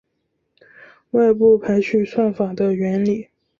外部排序算法的原理